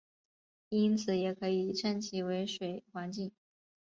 因此也可以称其为水环境。